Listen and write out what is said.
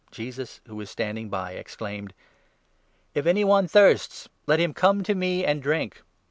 Jesus, who was standing by, exclaimed :" If any one thirsts, let him come to me, and drink.